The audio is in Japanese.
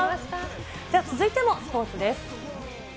続いてもスポーツです。